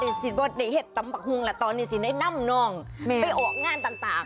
ในเหตุธรรมประกวงตอนนี้สิได้นำน้องไปออกงานต่าง